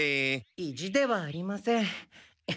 意地ではありません。